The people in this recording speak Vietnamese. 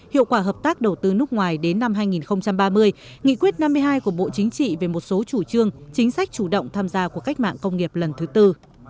hiệu quả hợp tác đầu tư nước ngoài đến năm hai nghìn ba mươi nghị quyết năm mươi hai của bộ chính trị về một số chủ trương chính sách chủ động tham gia của cách mạng công nghiệp lần thứ tư